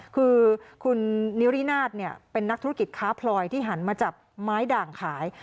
คือคุณนิรินาทเป็นนักธุรกิจค้าพลอยที่หันมาจับไม้ด่างขาย